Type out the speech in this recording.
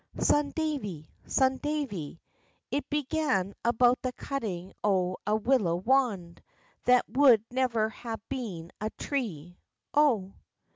Son Davie! Son Davie!" "It began about the cutting o' a willow wand, That would never hae been a tree, O."